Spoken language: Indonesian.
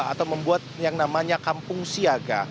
atau membuat yang namanya kampung siaga